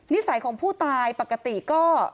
นิสัยของผู้ตายปกติก็